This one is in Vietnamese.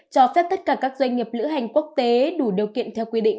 cho phép tất cả các doanh nghiệp lữ hành quốc tế đủ điều kiện theo quy định